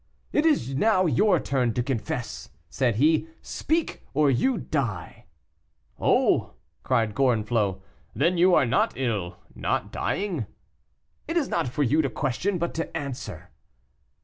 "It is now your turn to confess," said he, "speak, or you die." "Oh!" cried Gorenflot, "then you are not ill not dying." "It is not for you to question, but to answer."